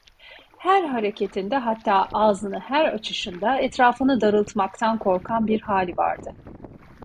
Her hareketinde, hatta ağzını her açışında, etrafını darıltmaktan korkan bir hali vardı.